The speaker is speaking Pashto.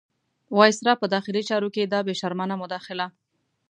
وایسرا په داخلي چارو کې دا بې شرمانه مداخله.